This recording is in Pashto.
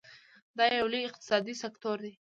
دا یو لوی اقتصادي سکتور دی.